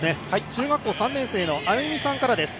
中学校３年生のあゆみさんからです